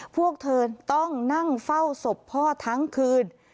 พวกเธอต้องนั่งเฝ้าศพพ่อทั้งคืน